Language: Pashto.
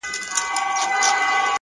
خپل قوتونه وپېژنئ